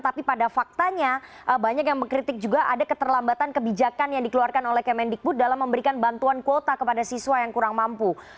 tapi pada faktanya banyak yang mengkritik juga ada keterlambatan kebijakan yang dikeluarkan oleh kemendikbud dalam memberikan bantuan kuota kepada siswa yang kurang mampu